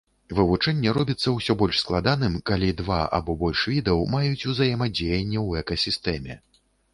Вывучэнне робіцца ўсё больш складаным, калі два або больш відаў маюць узаемадзеянне ў экасістэме.